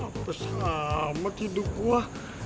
apa sama hidup gua